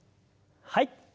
はい。